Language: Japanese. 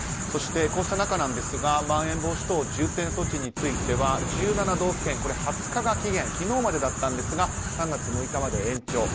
そして、こうした中まん延防止等重点措置については１７道府県２０日が期限昨日までだったんですが３月６日まで延長。